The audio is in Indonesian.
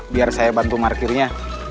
biar saya bantu parkirnya